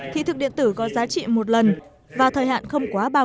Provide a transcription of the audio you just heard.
thị thực điện tử có giá trị một lần và thời hạn không quá bao